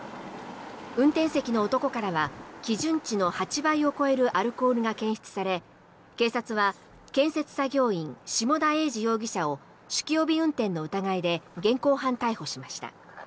運転席の男からは基準値の８害を超えるアルコールが検出され警察は建設作業員、下田英二容疑者を酒気帯び運転の疑いで現行犯逮捕しました。